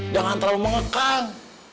jangan terlalu mengekang